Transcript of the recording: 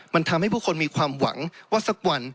มันทำให้ผู้คนมีความหวังว่าสักวัน